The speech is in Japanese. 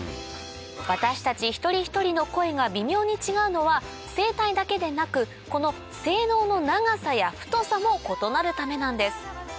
私たち一人一人の声が微妙に違うのは声帯だけでなくこの声道の長さや太さも異なるためなんです